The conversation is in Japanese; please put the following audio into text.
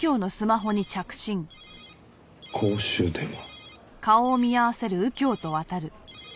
公衆電話。